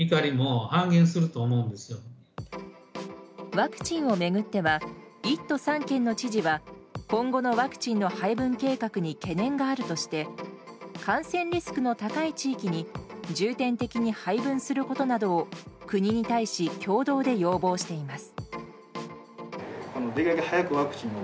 ワクチンを巡っては１都３県の知事は今後のワクチンの配分計画に懸念があるとして感染リスクの高い地域に重点的に配分することなどを国に対し共同で要望しています。